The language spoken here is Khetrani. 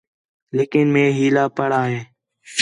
لیکن مئے ہِیلا پڑھا ہِے